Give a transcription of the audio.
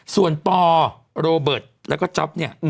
ส่วนปโรเบิร์ตแล้วก็จ๊อปเนี่ย